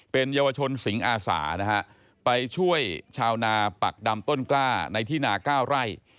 เป็นเยาวชนสิงอาสานะฮะไปช่วยชาวนาปักดำต้นกล้าในที่นา๙ไร่